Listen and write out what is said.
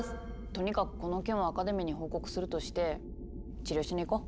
とにかくこの件はアカデミーに報告するとして治療しに行こう。